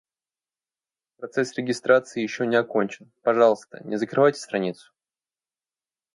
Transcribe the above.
Процесс регистрации ещё не окончен. Пожалуйста, не закрывайте страницу.